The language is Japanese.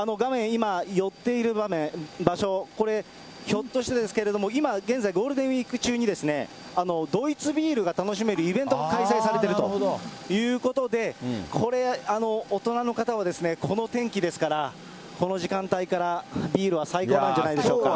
今、寄っている場所、これ、ひょっとしてですけれども、今、現在、ゴールデンウィーク中に、ドイツビールが楽しめるイベントが開催されているということで、これ、大人の方は、この天気ですから、この時間帯から、ビールは最高なんじゃないでしょうか。